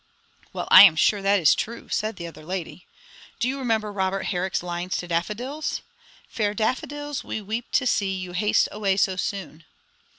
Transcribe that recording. '" "Well, I am sure that is true," said the other lady. "Do you remember Robert Herrick's lines to daffodils? 'Fair daffodils, we weep to see You haste away so soon.'